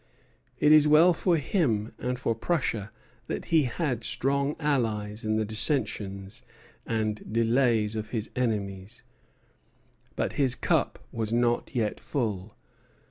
It was well for him and for Prussia that he had strong allies in the dissensions and delays of his enemies. But his cup was not yet full.